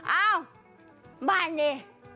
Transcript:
เอ้าบ้านนี่